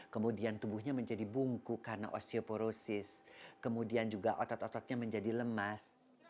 kemudian tubuhnya menjadi bungku karena osteoporosis kemudian juga otot ototnya menjadi lemas